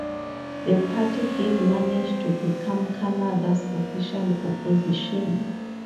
The party did manage to become Canada's official opposition.